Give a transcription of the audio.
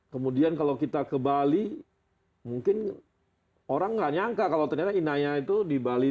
kemudian kalau kita ke bali mungkin orang gak nyangka kalau ternyata kita bisa berada di bali